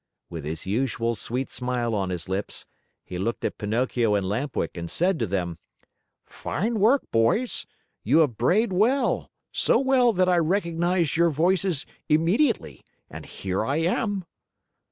With his usual sweet smile on his lips, he looked at Pinocchio and Lamp Wick and said to them: "Fine work, boys! You have brayed well, so well that I recognized your voices immediately, and here I am."